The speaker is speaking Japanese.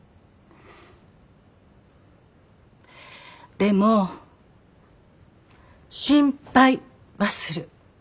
でも心配はする。